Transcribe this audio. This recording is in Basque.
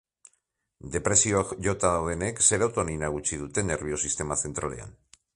Depresioak jota daudenek serotonina gutxi dute nerbio-sistema zentralean.